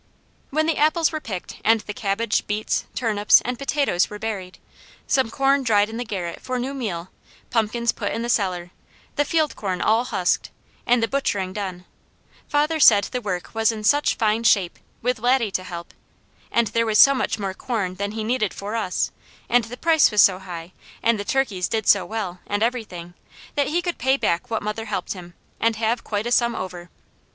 When the apples were picked and the cabbage, beets, turnips, and potatoes were buried, some corn dried in the garret for new meal, pumpkins put in the cellar, the field corn all husked, and the butchering done, father said the work was in such fine shape, with Laddie to help, and there was so much more corn than he needed for us, and the price was so high, and the turkeys did so well, and everything, that he could pay back what mother helped him, and have quite a sum over.